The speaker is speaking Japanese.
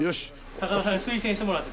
高田さんに推薦してもらって。